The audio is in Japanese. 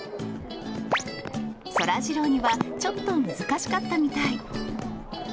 そらジローにはちょっと難しかったみたい。